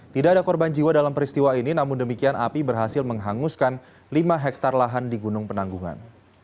tidak ada korban jiwa dalam peristiwa ini namun demikian api berhasil menghanguskan lima hektare lahan di gunung penanggungan